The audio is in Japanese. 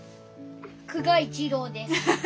久我一郎です。